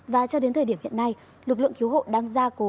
và cho đến thời điểm hiện nay lực lượng cứu hộ đang gia cố